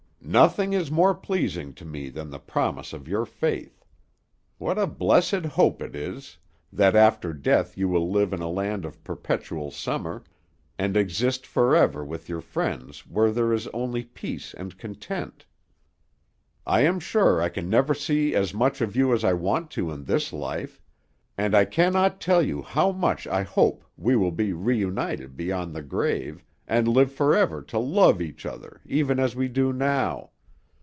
Nothing is more pleasing to me than the promise of your faith. What a blessed hope it is, that after death you will live in a land of perpetual summer; and exist forever with your friends where there is only peace and content! I am sure I can never see as much of you as I want to in this life, and I cannot tell you how much I hope we will be reunited beyond the grave, and live forever to love each other, even as we do now.